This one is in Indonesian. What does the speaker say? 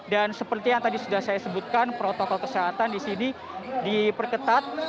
dan seperti yang tadi sudah saya sebutkan protokol kesehatan disini diperketat